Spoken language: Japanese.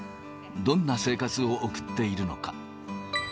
どんな生活を送っているのか。